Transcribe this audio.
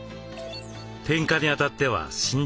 点火にあたっては慎重に。